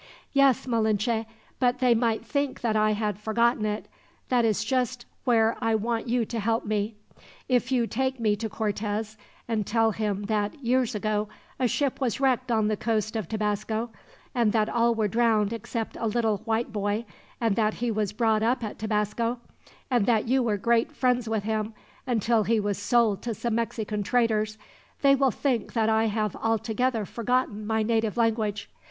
"Yes, Malinche; but they might think that I had forgotten it. That is just where I want you to help me. If you take me to Cortez, and tell him that, years ago, a ship was wrecked on the coast of Tabasco, and that all were drowned except a little white boy; and that he was brought up at Tabasco, and that you were great friends with him, until he was sold to some Mexican traders they will think that I have altogether forgotten my native language.